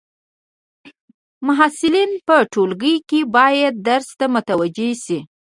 محصلین په ټولګی کي باید درس ته متوجي سي.